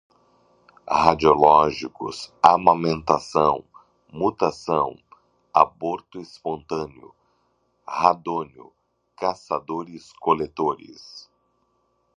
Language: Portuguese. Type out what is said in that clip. radiológicos, amamentação, mutação, aborto espontâneo, radônio, caçadores-coletores